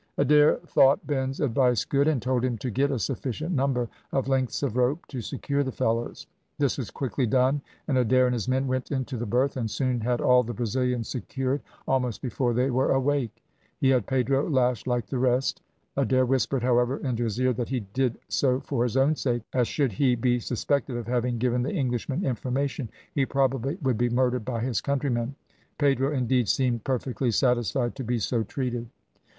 Adair thought Ben's advice good, and told him to get a sufficient number of lengths of rope to secure the fellows. This was quickly done, and Adair and his men went into the berth, and soon had all the Brazilians secured, almost before they were awake. He had Pedro lashed like the rest; Adair whispered, however, into his ear that he did so for his own sake, as should he be suspected of having given the Englishmen information he probably would be murdered by his countrymen. Pedro, indeed, seemed perfectly satisfied to be so treated.